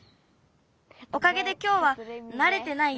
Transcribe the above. おかげできょうはなれてないよ